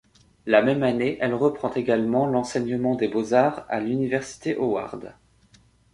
La même année elle reprend également l'enseignement des beaux-arts à l'Université Howard.